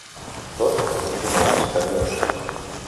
Tot és molt misteriós.